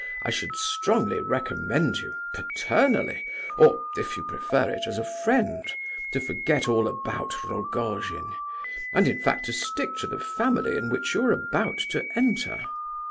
I should strongly recommend you, paternally,—or, if you prefer it, as a friend,—to forget all about Rogojin, and, in fact, to stick to the family into which you are about to enter."